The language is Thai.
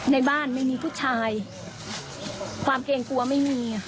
ในบ้านไม่มีผู้ชาย